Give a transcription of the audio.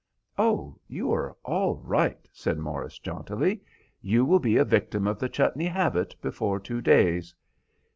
"Oh, you are all right," said Morris, jauntily; "you will be a victim of the chutney habit before two days.